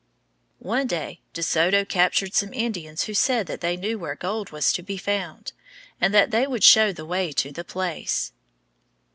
One day De Soto captured some Indians who said that they knew where gold was to be found and that they would show the way to the place.